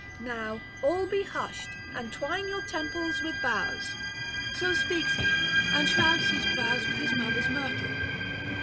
Now all be hushed, and twine your temples with boughs.' So speaks he, and shrouds his brows with his mother's myrtle.